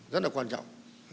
rất là quan trọng